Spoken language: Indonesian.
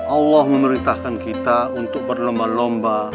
allah memerintahkan kita untuk berlomba lomba